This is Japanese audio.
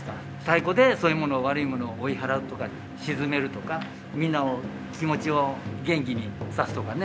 太鼓でそういうもの悪いものを追い払うとか鎮めるとかみんなを気持ちを元気にさすとかね。